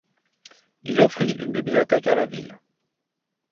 Il offrit une bibliothèque à la ville.